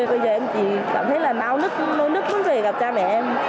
bây giờ em chỉ cảm thấy là nâu nứt nâu nứt muốn về gặp cha mẹ em